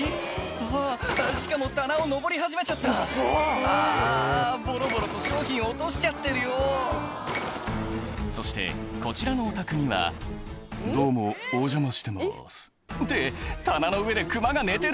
あぁしかも棚を登り始めちゃったあああぼろぼろと商品を落としちゃってるよそしてこちらのお宅には「どうもお邪魔してます」って棚の上で熊が寝てる！